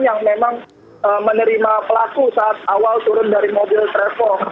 yang memang menerima pelaku saat awal turun dari mobil travel